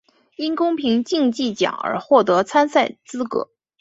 因公平竞技奖而获得参赛资格。